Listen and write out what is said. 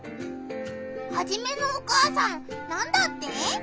ハジメのお母さんなんだって？